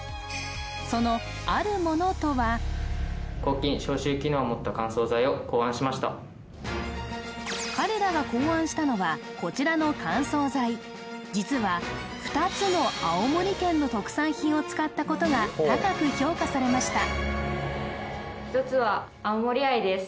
その彼らが考案したのはこちらの乾燥剤実は２つの青森県の特産品を使ったことが高く評価されました